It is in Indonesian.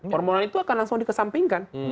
formulaan itu akan langsung dikesampingkan